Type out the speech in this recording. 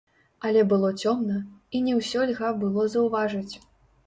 Але было цёмна, і не ўсё льга было заўважыць.